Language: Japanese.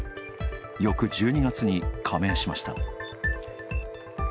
翌１２月に加盟しました。